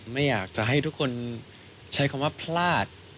ไม่อยากจะให้ทุกคนใช้คำว่าพลาด